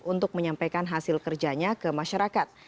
untuk menyampaikan hasil kerjanya ke masyarakat